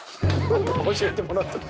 教えてもらった事。